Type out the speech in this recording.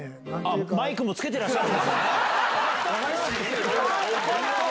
マイクもつけてらっしゃる。